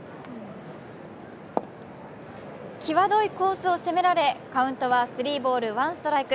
きわどいコースを攻められ、カウントはスリーボール・ワンストライク。